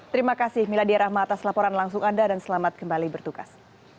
terima kasih milady rahmatas laporan langsung anda dan selamat kembali bertukas